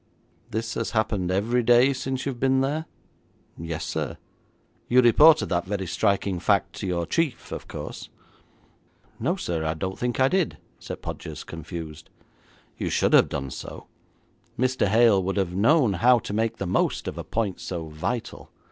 'This has happened every day since you've been there?' 'Yes, sir.' 'You reported that very striking fact to your chief, of course?' 'No, sir, I don't think I did,' said Podgers, confused. 'You should have done so. Mr. Hale would have known how to make the most of a point so vital.'